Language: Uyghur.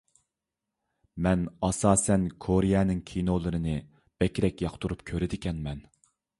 مەن ئاساسەن كورېيەنىڭ كىنولىرىنى بەكرەك ياقتۇرۇپ كۆرىدىكەنمەن.